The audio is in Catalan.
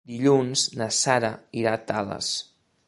Dilluns na Sara irà a Tales.